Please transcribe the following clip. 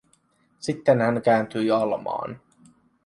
Sitten hän kääntyi Almaan.